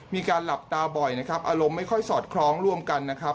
มีการหลับตาบ่อยนะครับอารมณ์ไม่ค่อยสอดคล้องร่วมกันนะครับ